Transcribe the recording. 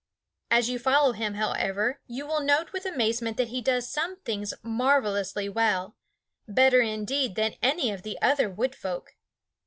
As you follow him, however, you note with amazement that he does some things marvelously well better indeed than any other of the Wood Folk.